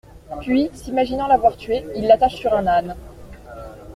Puis, s'imaginant l'avoir tuée, ils l'attachent sur un âne.